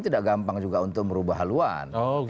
tidak gampang juga untuk merubah haluan